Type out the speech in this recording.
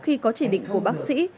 khi có chỉ định của bác sĩ